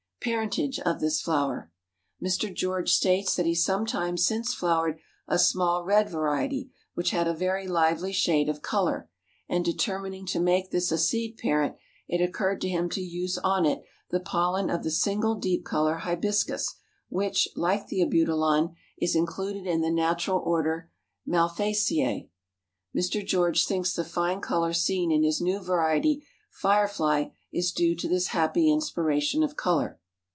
PARENTAGE OF THIS FLOWER. Mr. George states that he sometime since flowered a small red variety, which had a very lively shade of color, and determining to make this a seed parent, it occurred to him to use on it the pollen of the single deep color Hibiscas, which, like the Abutilon, is included in the natural order Malvaceæ. Mr. George thinks the fine color seen in his new variety, Firefly, is due to this happy inspiration of color.